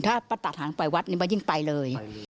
ถ้าป้าตัดหางปล่อยวัดนี่ป้ายิ่งไปเลย